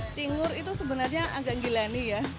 cingur itu sebenarnya agak giliran